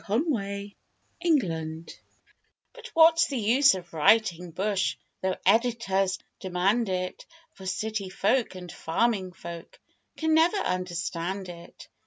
BUT WHAT'S THE USE But what's the use of writing 'bush' Though editors demand it For city folk, and farming folk, Can never understand it.